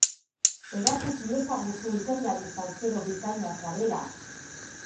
Erakuts iezaguzu ikerlari saltsero bikaina zarela!